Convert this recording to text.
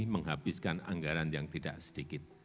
menghabiskan anggaran yang tidak sedikit